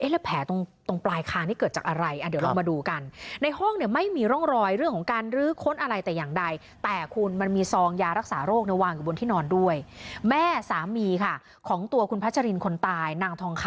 แล้วแผลตรงปลายคางนี่เกิดจากอะไรเดี๋ยวลองมาดูกัน